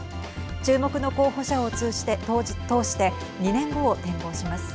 注目の候補者を通して２年後を展望します。